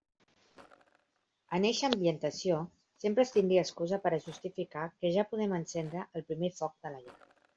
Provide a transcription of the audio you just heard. En eixa ambientació sempre es tindria excusa per a justificar que ja podem encendre el primer foc de la llar.